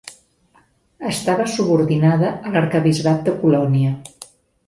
Estava subordinada a l'Arquebisbat de Colònia.